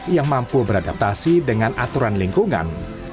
yang mampu beradaptasi dengan aturan lingkungan